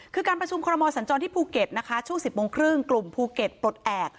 คือการประชุมคอรมอสัญจรที่ภูเก็ตนะคะช่วง๑๐โมงครึ่งกลุ่มภูเก็ตปลดแอบ